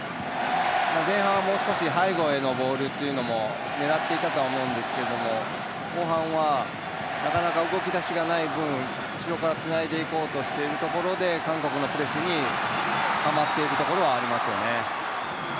前半はもう少し背後へのボールを狙っていたと思うんですけど後半は、なかなか動き出しがない分後ろからつないでいこうとしているところ韓国のプレスにはまっているところはありますね。